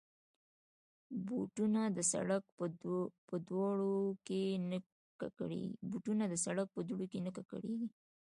بوټونه د سړک په دوړو کې نه ککړېږي.